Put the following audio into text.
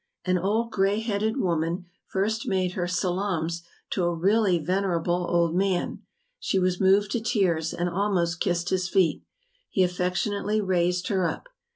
An old grey headed woman first made her salams to a really venerable old man, she was moved to tears and almost kissed his feet; he affectionately raised her up.